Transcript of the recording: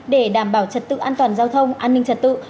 để đảm bảo trật tự an toàn giao thông an ninh trật tự